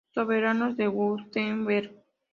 Soberanos de Wurtemberg